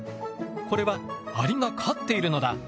これはアリが飼っているのだ。